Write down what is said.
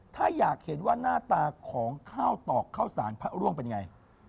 ถ้าอยากเห็นว่าหน้าตาของข้าวตอกข้าวสารพระร่วงเป็นไง